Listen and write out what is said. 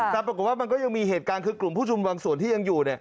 แต่ปรากฏว่ามันก็ยังมีเหตุการณ์คือกลุ่มผู้ชุมบางส่วนที่ยังอยู่